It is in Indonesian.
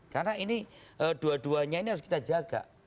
karena ini dua duanya ini harus kita jaga